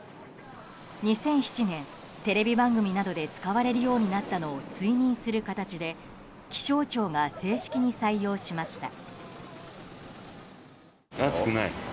２００７年、テレビ番組などで使われるようになったのを追認する形で気象庁が正式に採用しました。